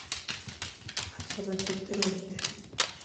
Batzarra ez da urtero egiten.